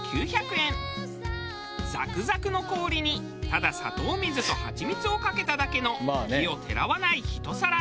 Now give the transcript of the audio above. ザクザクの氷にただ砂糖水とハチミツをかけただけの奇をてらわないひと皿。